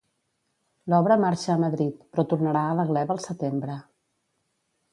L'obra marxa a Madrid, però tornarà a La Gleva el setembre.